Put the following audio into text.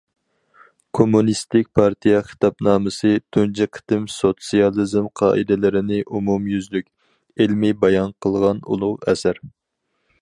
« كوممۇنىستىك پارتىيە خىتابنامىسى» تۇنجى قېتىم سوتسىيالىزم قائىدىلىرىنى ئومۇميۈزلۈك، ئىلمىي بايان قىلغان ئۇلۇغ ئەسەر.